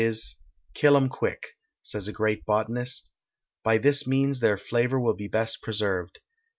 e._ "Kill 'em quick," says a great botanist; by this means their flavor will be best preserved.